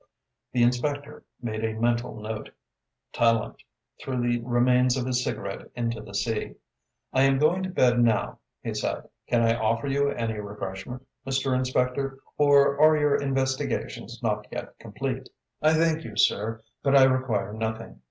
The inspector made a mental note. Tallente threw the remains of his cigarette into the sea. "I am going to bed now." he said. "Can I offer you any refreshment, Mr. Inspector, or are your investigations not yet complete?" "I thank you, sir, but I require nothing.